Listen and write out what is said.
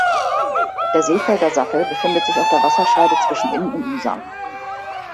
Der Seefelder Sattel befindet sich auf der Wasserscheide zwischen Inn und Isar.